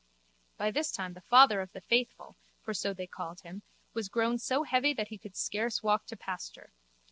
By this time the father of the faithful (for so they called him) was grown so heavy that he could scarce walk to pasture.